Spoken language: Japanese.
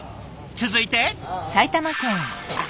続いて。